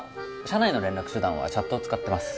社内の連絡手段はチャットを使ってます